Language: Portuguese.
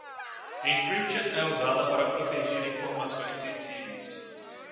Encryption é usada para proteger informações sensíveis.